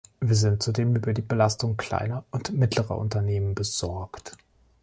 Wir sind zudem über die Belastung kleiner und mittlerer Unternehmen besorgt.